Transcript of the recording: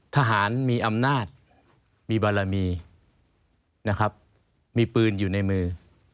ทหารมีอำนาจมีบารมีนะครับมีปืนอยู่ในมือ